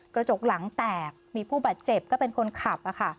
กระจกหลังแตกมีผู้บาดเจ็บก็เป็นคนขับ